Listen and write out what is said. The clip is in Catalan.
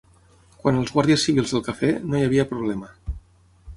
Quant als guàrdies civils del Cafè, no hi havia problema